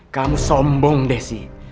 kamu sombong desi